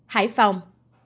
hai mươi bảy hải phòng